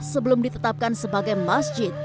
sebelum ditetapkan sebagai masjid